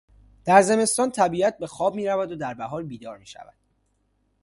در زمستان طبیعت به خواب میرود و در بهار بیدار میشود.